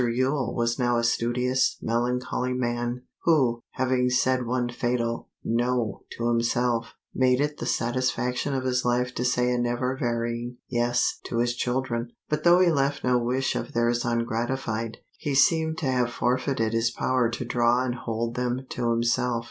Yule was now a studious, melancholy man, who, having said one fatal "No" to himself, made it the satisfaction of his life to say a never varying "Yes" to his children. But though he left no wish of theirs ungratified, he seemed to have forfeited his power to draw and hold them to himself.